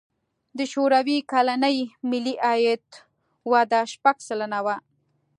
د شوروي کلني ملي عاید وده شپږ سلنه وه.